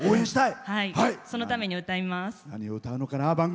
そのために歌います。